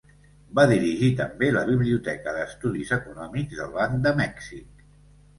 Va dirigir també la Biblioteca d'Estudis Econòmics del Banc de Mèxic.